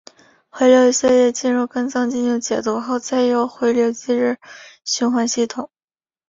回流的血液进入肝脏进行解毒后再由回流至循环系统。